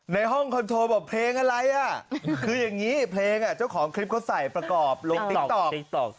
ในห้องคอนโทรบอกเพลงอะไรอ่ะคืออย่างนี้เพลงเจ้าของคลิปเขาใส่ประกอบลงติ๊กต๊อกติ๊กต๊อก